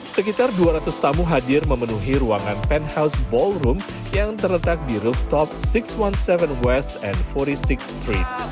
sekitar dua ratus tamu hadir memenuhi ruangan penthouse ballroom yang terletak di rooftop enam ratus tujuh belas west and empat puluh enam th street